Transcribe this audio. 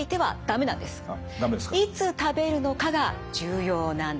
いつ食べるのかが重要なんです。